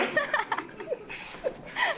ハハハハ！